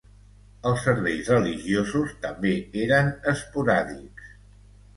Els serveis religiosos també eren esporàdics.